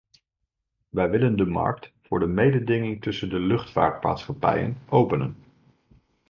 Wij willen de markt voor de mededinging tussen de luchtvaartmaatschappijen openen .